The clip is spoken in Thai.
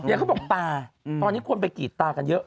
เขาบอกตาตอนนี้คนไปกรีดตากันเยอะ